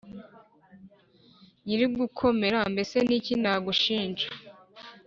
nyirigukomera mbese n'iki nagushinja